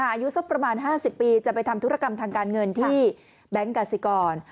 อายุสักประมาณ๕๐ปีจะไปทำธุรกรรมทางการเงินที่แบงค์กาศิกร